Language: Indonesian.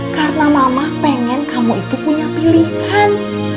karena mama pengen kamu itu punya pilihan